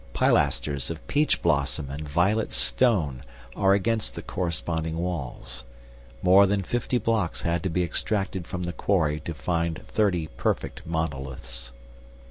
Pilasters of peach blossom and violet stone are against the corresponding walls. More than fifty blocks had to be extracted from the quarry to find thirty perfect monoliths.